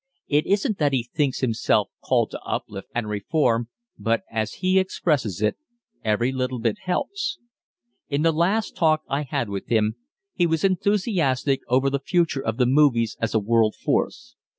It isn't that he thinks himself called to uplift and reform, but, as he expresses it, "Every little bit helps." In the last talk that I had with him, he was enthusiastic over the future of the movies as a world force.